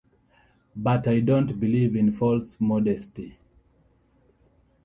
But I don't believe in false modesty.